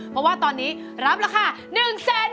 เพราะว่าตอนนี้รับราคา๑๐๐๐๐๐บาท